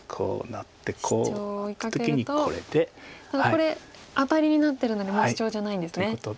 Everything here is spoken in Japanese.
これアタリになってるのでもうシチョウじゃないんですね。